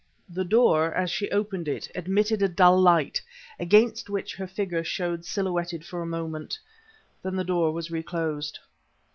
The door, as she opened it, admitted a dull light, against which her figure showed silhouetted for a moment. Then the door was reclosed.